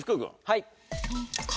はい。